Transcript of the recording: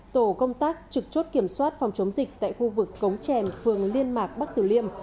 tổ công tác trực chốt kiểm soát phòng chống dịch tại khu vực cống trèn phường liên mạc bắc tử liêm